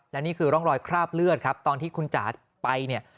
และนี่คือร่องรอยคราบเลือดครับตอนที่คุณจ๋าไปเนี่ย